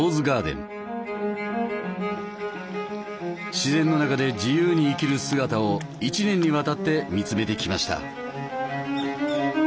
自然の中で自由に生きる姿を１年にわたって見つめてきました。